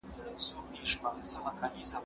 هغه وويل چي درسونه لوستل کول مهم دي!